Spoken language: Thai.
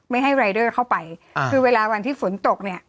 ไม่ให้รายเดอร์เข้าไปอ่าคือเวลาวันที่ฝนตกเนี่ย